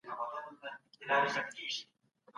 تاسو به د هر کار په پایله کي صبر کوئ.